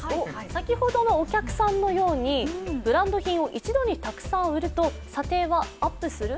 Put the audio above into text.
先ほどのお客さんのようにブランド品を一度にたくさん売ると査定はアップする？